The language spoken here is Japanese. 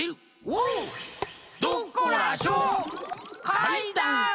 「かいだん」！